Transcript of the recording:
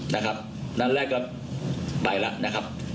นะครับผมก็ต้องให้การว่าเขาให้การขัดแย้งข้อเรียกจริงนะครับ